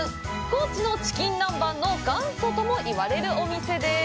高知のチキン南蛮の元祖ともいわれるお店です。